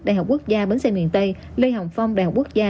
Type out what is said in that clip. đại học quốc gia bến xe miền tây lê hồng phong đại học quốc gia